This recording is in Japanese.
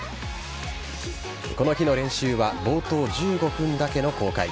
この日の練習は冒頭１５分だけの公開。